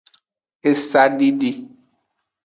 Esadidi.